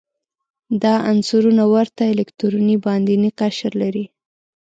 دا عنصرونه ورته الکتروني باندینی قشر لري.